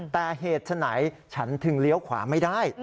แต่เหตุฉะไหนฉันถึงเลี้ยวขวาไม่ได้